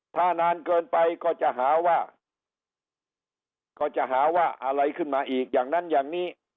ถ้านานเกินไปก็จะหาว่าก็จะหาว่าอะไรขึ้นมาอีกอย่างนั้นอย่างนี้